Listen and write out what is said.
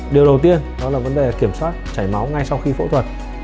điều đầu tiên đó là vấn đề kiểm soát chảy máu ngay sau khi phẫu thuật